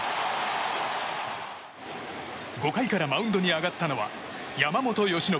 ５回からマウンドに上がったのは、山本由伸。